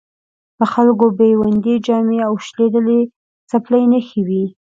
د خلکو بیوندي جامې او شلېدلې څپلۍ نښې وې.